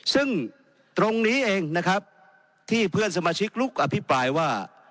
ซึ่งตรงนี้เองนะครับที่เพื่อนสมาชิกลุกอภิปรายว่า